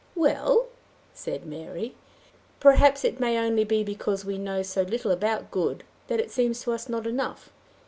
"Well!" said Mary, "perhaps it may only be because we know so little about good, that it seems to us not enough.